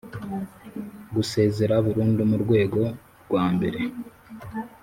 gusezera burundu mu rwego rwambere